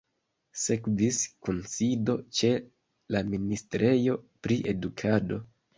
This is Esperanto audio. Sekvis kunsido ĉe la ministrejo pri edukado.